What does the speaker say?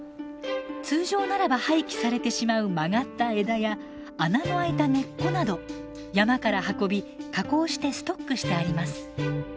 通常ならば廃棄されてしまう曲がった枝や穴の開いた根っこなど山から運び加工してストックしてあります。